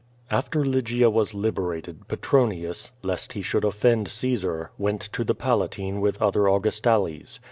After Lygia was liberated, Petronius, lest he should offend Caesar, went to the Palatine with other Augustales.